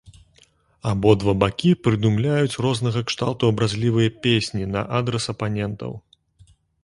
Абодва бакі прыдумляюць рознага кшталту абразлівыя песні на адрас апанентаў.